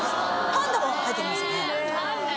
パンダも入ってきます。